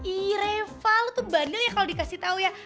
ii reva lo tuh bandel ya kalo dikasih tau ya